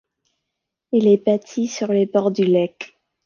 Elle est bâtie sur les bords du Lek.